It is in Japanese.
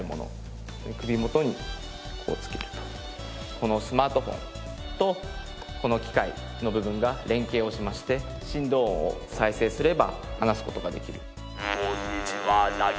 このスマートフォンとこの機械の部分が連携をしまして振動音を再生すれば話す事ができる。